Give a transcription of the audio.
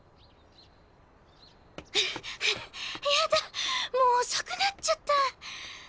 ハァハァやだもう遅くなっちゃった。